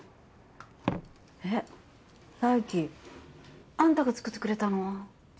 えっ大貴あんたが作ってくれたの？